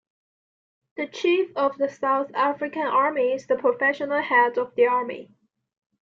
The Chief of the South African Army is the professional head of the Army.